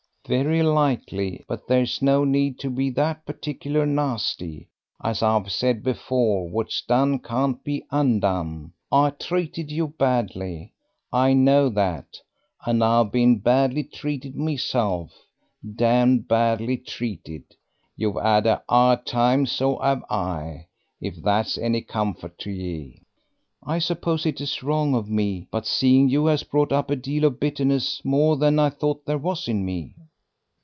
"Very likely; but there's no need to be that particular nasty. As I've said before, what's done can't be undone. I treated you badly, I know that; and I've been badly treated myself damned badly treated. You've 'ad a 'ard time; so have I, if that's any comfort to ye." "I suppose it is wrong of me, but seeing you has brought up a deal of bitterness, more than I thought there was in me."